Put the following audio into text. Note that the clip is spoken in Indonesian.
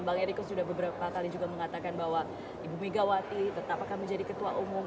bang eriko sudah beberapa kali juga mengatakan bahwa ibu megawati tetap akan menjadi ketua umum